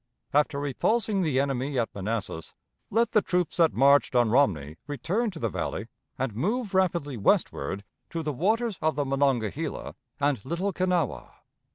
After repulsing the enemy at Manassas, let the troops that marched on Romney return to the Valley and move rapidly westward to the waters of the Monongahela and Little Kanawha.